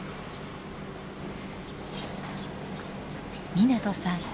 湊さん